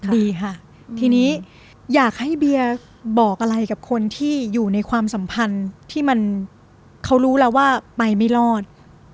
ดีค่ะทีนี้อยากให้เบียบอกอะไรกับคนที่อยู่ในความสัมพันธ์ที่มันเขารู้แล้วว่าไปไม่รอด